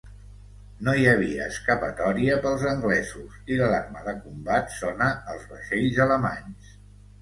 No hi havia escapatòria pels anglesos i l'alarma de combat sonà als vaixells alemanys.